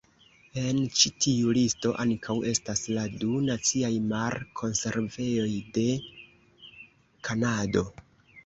En ĉi tiu listo ankaŭ estas la du Naciaj Mar-Konservejoj de Kanado.